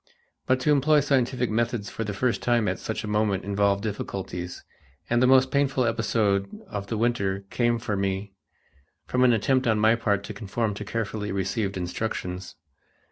But to employ scientific methods for the first time at such a moment involved difficulties, and the most painful episode of the winter came for me from an attempt on my part to conform to carefully received instructions.